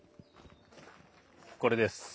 これです。